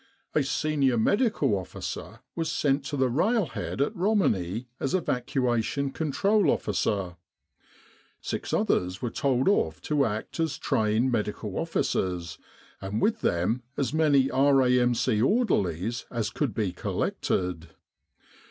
A senior Medical Officer was sent to the railhead at Romani as Evacuation Control Officer. Six others were told off to act as Train M.O.'s, and with them as many R.A.M.C. orderlies as could be collected.